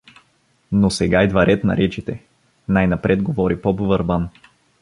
Но сега идва ред на речите, най-напред говори поп Върбан.